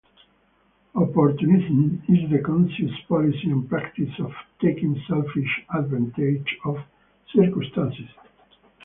Opportunism is the conscious policy and practice of taking selfish advantage of circumstances.